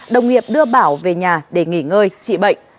đồng nghiệp đưa bảo về nhà để nghỉ ngơi trị bệnh